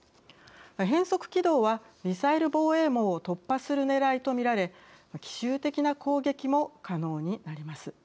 変速軌道はミサイル防衛網を突破するねらいとみられ奇襲的な攻撃も可能になります。